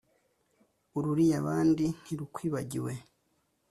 ururiye abandi ntirukwibagiwe